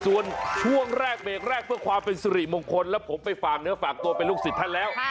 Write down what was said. ส่วนช่วงแรกเบรกแรกเพื่อความเป็นสุริมงคลแล้วผมไปฝากเนื้อฝากตัวเป็นลูกศิษย์ท่านแล้ว